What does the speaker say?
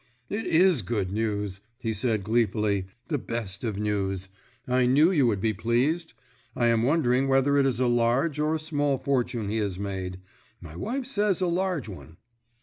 "It is good news," he said gleefully, "the best of news. I knew you would be pleased. I am wondering whether it is a large or a small fortune he has made. My wife says a large one."